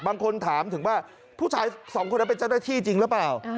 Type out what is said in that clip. บางคนถามถึงว่าผู้ชายสองคนนั้นเป็นเจ้าหน้าที่จริงหรือเปล่า